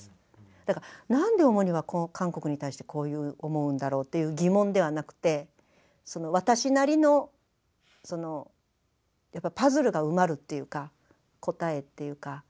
だからなんでオモニはこう韓国に対してこういう思うんだろうという疑問ではなくてその私なりのそのやっぱパズルが埋まるっていうか答えっていうか。